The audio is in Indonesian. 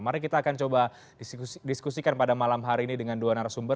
mari kita akan coba diskusikan pada malam hari ini dengan dua narasumber